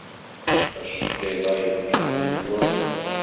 Aceṭṭiḍ-a keččmen-t waman.